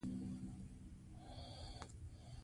بوتل د اوبو د انتقال یوه وسیله ده.